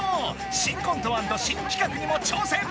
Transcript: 新コント＆新企画にも挑戦！